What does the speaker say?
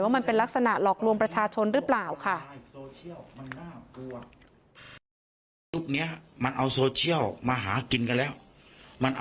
มันเป็นลักษณะหลอกลวงประชาชนหรือเปล่าค่ะ